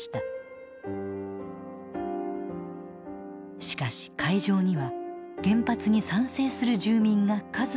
しかし会場には原発に賛成する住民が数多く参加。